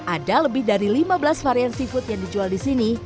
ada lebih dari lima belas varian seafood yang dijual di sini